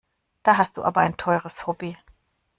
Du hast da aber ein teures Hobby.